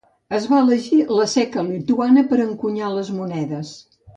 Es va elegir la seca lituana per encunyar les monedes.